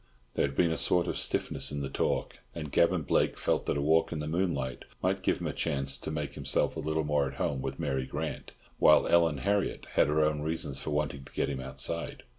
There had been a sort of stiffness in the talk, and Gavan Blake felt that a walk in the moonlight might give him a chance to make himself a little more at home with Mary Grant, while Ellen Harriott had her own reasons for wanting to get him outside.